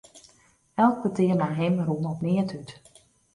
Elk petear mei him rûn op neat út.